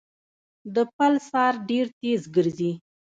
د پلسار ډېر تېز ګرځي.